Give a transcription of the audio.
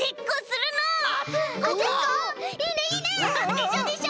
でしょでしょ！